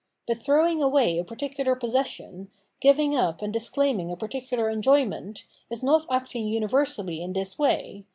But throwing away a particular possession, giving up and disclaiming a particular enjoyment, is not acting universally in this way.